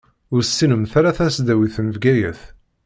Ur tessinemt ara tasdawit n Bgayet.